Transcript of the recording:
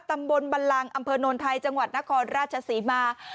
บันลังอำเภอโนนไทยจังหวัดนครราชศรีมา